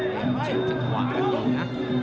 เช่นจังหวาน